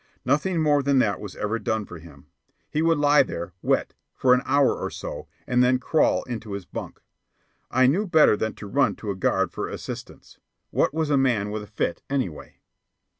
Nothing more than that was ever done for him. He would lie there, wet, for an hour or so, and then crawl into his bunk. I knew better than to run to a guard for assistance. What was a man with a fit, anyway?